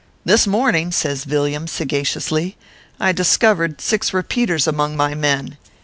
This morning/ says Villiam, sagaciously, " I discovered six Kepeaters among my men.